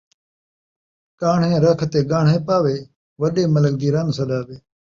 ڳاہݨے رکھ تے ڳاہݨے پاوے ، وݙے ملک دی رن سݙاوے